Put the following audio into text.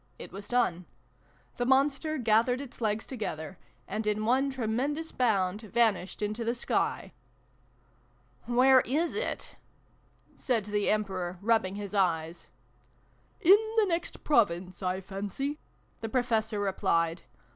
It was done. The Monster gathered its legs together, and in one tremendous bound vanished into the sky. " Where is it ?" said the Emperor, rubbing his eyes. "In the next Province, I fancy," the Pro fessor replied.